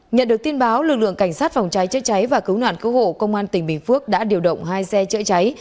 nhận được tin báo lực lượng cảnh sát phòng cháy chữa cháy và cứu nạn cứu hộ công an tỉnh bình phước đã điều động hai xe chữa cháy